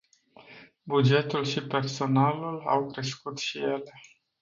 Bugetul și personalul au crescut și ele.